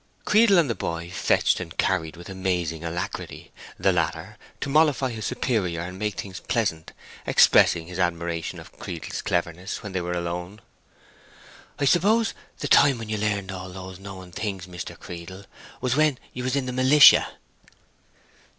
Creedle and the boy fetched and carried with amazing alacrity, the latter, to mollify his superior and make things pleasant, expressing his admiration of Creedle's cleverness when they were alone. "I s'pose the time when you learned all these knowing things, Mr. Creedle, was when you was in the militia?"